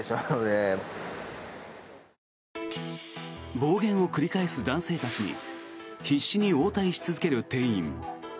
暴言を繰り返す男性たちに必死に応対し続ける店員。